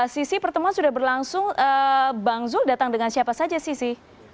sisi pertemuan sudah berlangsung bang zul datang dengan siapa saja sisi